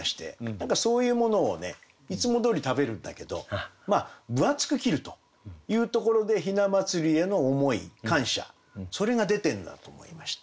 何かそういうものをねいつもどおり食べるんだけど分厚く切るというところで雛祭への思い感謝それが出てるなと思いまして。